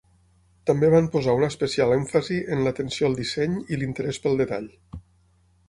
També van posar un especial èmfasi en l'atenció al disseny i l'interès pel detall.